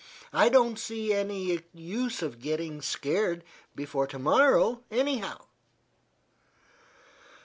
I don't see any use of getting scared before to morrow, anyhow."